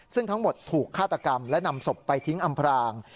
ซึ่งทั้งหมดถูกฆาตกรรมและนำศพไปทิ้งอำพราง